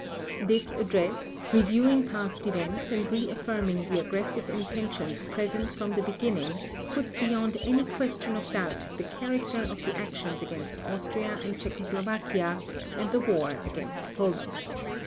This address, reviewing past events and re affirming the aggressive intentions present from the beginning, puts beyond any question of doubt the character of the actions against Austria and Czechoslovakia, and the war against Poland.